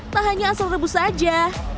tak hanya asal rebus saja